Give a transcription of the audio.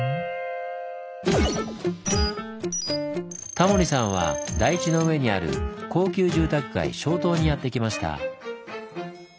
タモリさんは台地の上にある高級住宅街松濤にやって来ました。